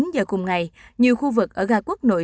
một mươi chín giờ cùng ngày nhiều khu vực ở ga quốc nội